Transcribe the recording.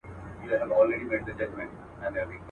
تېر سو زموږ له سیمي، څه پوښتې چي کاروان څه ویل.